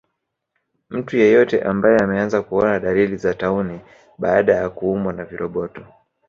Mtu yeyote ambaye ameanza kuona dalili za tauni baada ya kuumwa na viroboto